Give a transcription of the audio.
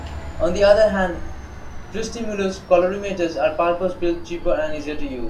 On the other hand, tristimulus colorimeters are purpose-built, cheaper, and easier to use.